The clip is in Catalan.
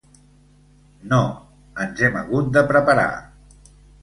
No, ens hem hagut de preparar.